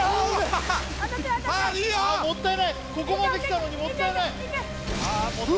ここまで来たのに、もったいない。